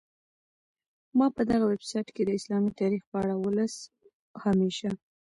ما په دغه ویبسایټ کي د اسلامي تاریخ په اړه ولوسهمېشه.